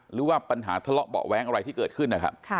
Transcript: หรือว่าปัญหาทะเลาะเบาะแว้งอะไรที่เกิดขึ้นนะครับ